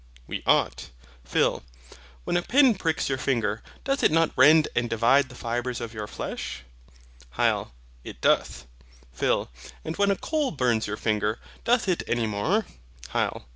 We ought. PHIL. When a pin pricks your finger, doth it not rend and divide the fibres of your flesh? HYL. It doth. PHIL. And when a coal burns your finger, doth it any more?